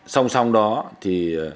song song đó thì